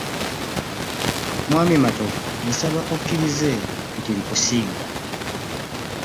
Mwami Matovu nsaba okkirize nti nkusinga.